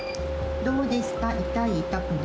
どうですか痛い？